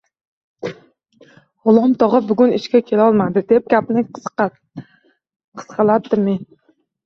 – G‘ulom tog‘a bugun ishga kelolmadi, – deb gapni qisqalatdim men